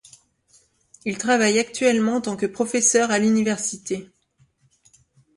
Il travaille actuellement en tant que professeur à l'université.